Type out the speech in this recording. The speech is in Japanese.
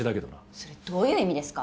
それどういう意味ですか。